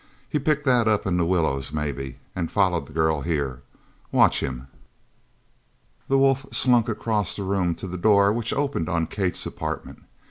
He picked that up in the willows, maybe, an' followed the girl here. Watch him!" The wolf slunk across the room to the door which opened on Kate's apartment.